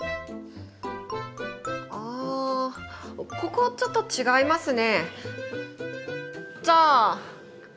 あここちょっと違いますね。